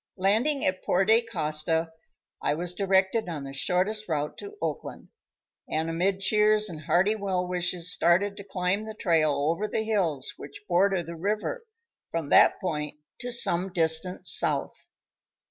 Landing at Porte Costa, I was directed on the shortest route to Oakland, and amid cheers and hearty well wishes started to climb the trail over the hills which border the river from that point to some distance south.